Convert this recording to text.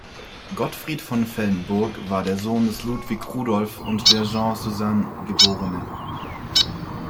Gottfried von Fellenberg war der Sohn des Ludwig Rudolf und der Jeanne Suzanne geb.